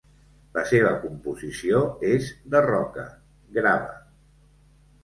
La seva composició és de roca, grava.